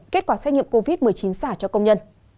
kết quả xét nghiệm covid một mươi chín giả cho công nhân